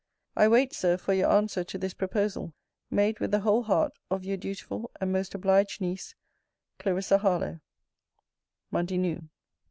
I wait, Sir, for your answer to this proposal, made with the whole heart of Your dutiful and most obliged niece, CL. HARLOWE. MONDAY NOON.